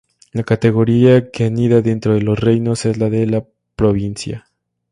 La categoría que anida dentro de los Reinos es la de provincia.